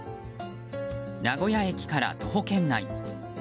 名古屋駅から徒歩圏内。